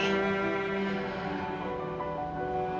hati mama sakit sekali